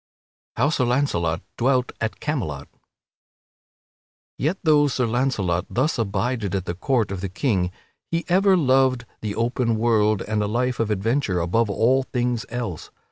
[Sidenote: How Sir Launcelot dwelt at Camelot] Yet, though Sir Launcelot thus abided at the court of the King, he ever loved the open world and a life of adventure above all things else.